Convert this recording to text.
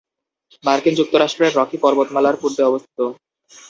মার্কিন যুক্তরাষ্ট্রের রকি পর্বতমালার পূর্বে অবস্থিত।